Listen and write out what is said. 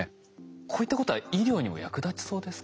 こういったことは医療にも役立ちそうですか？